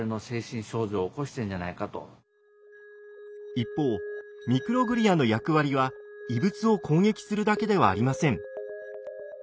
一方ミクログリアの役割は異物を攻撃するだけではありません。